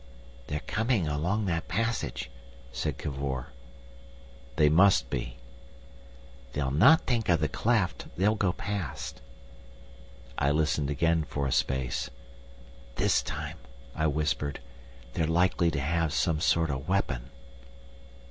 "They're coming along that passage," said Cavor. "They must be." "They'll not think of the cleft. They'll go past." I listened again for a space. "This time," I whispered, "they're likely to have some sort of weapon."